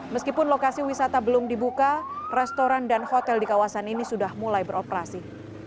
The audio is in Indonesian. meskipun lokasi wisata belum dibuka restoran dan hotel di kawasan ini sudah mulai beroperasi